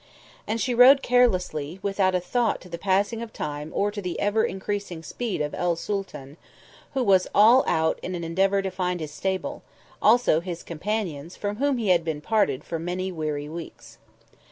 And she rode carelessly, without a thought to the passing of time or to the ever increasing speed of el Sooltan, who was all out in an endeavour to find his stable, also his companions, from whom he had been parted for many weary weeks.